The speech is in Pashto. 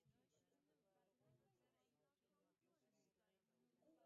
د لیکونو استول مهم وو.